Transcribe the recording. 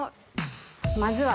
まずは。